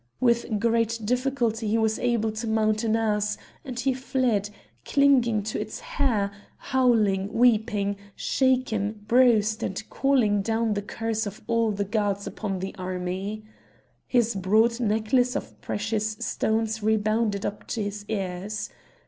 With great difficulty he was able to mount an ass; and he fled, clinging to its hair, howling, weeping, shaken, bruised, and calling down the curse of all the gods upon the army. His broad necklace of precious stones rebounded up to his ears.